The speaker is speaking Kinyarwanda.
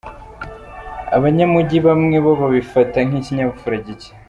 Abanyamujyi bamwe bo babifata nk’ikinyabupfura gicye.